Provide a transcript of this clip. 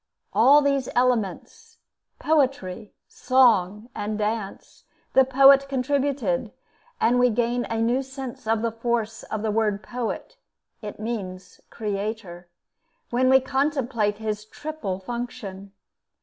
All these elements poetry, song, and dance the poet contributed; and we gain a new sense of the force of the word "poet" (it means "creator"), when we contemplate his triple function.